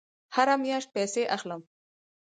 هره میاشت پیسې اخلم